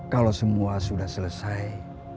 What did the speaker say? kalau semua sudah selesai